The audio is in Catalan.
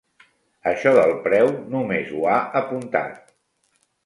Això del preu només ho ha apuntat.